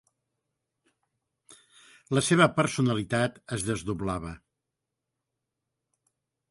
La seva personalitat es desdoblava.